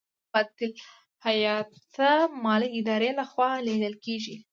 دا د باصلاحیته مالي ادارې له خوا لیږل کیږي.